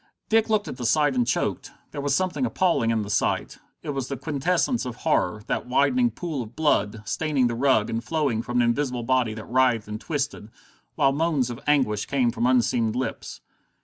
Dick looked at the sight and choked. There was something appalling in the sight: it was the quintessence of horror, that widening pool of blood, staining the rug, and flowing from an invisible body that writhed and twisted, while moans of anguish came from unseen lips.